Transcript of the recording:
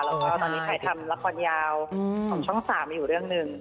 แล้วก็ตอนนี้ถ่ายทำละครยาวของช่อง๓อยู่เรื่องหนึ่ง